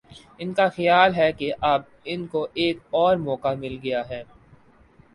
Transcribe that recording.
ان کا خیال ہے کہ اب ان کو ایک اور موقع مل گیا ہے۔